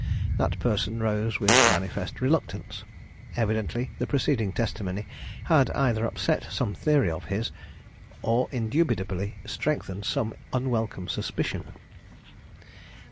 That person rose with manifest reluctance. Evidently the preceding testimony had either upset some theory of his, or indubitably strengthened some unwelcome suspicion.